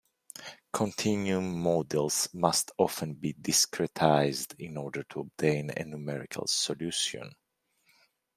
Continuum models must often be discretized in order to obtain a numerical solution.